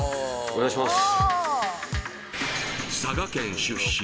お願いします